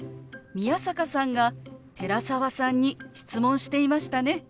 宮坂さんが寺澤さんに質問していましたね。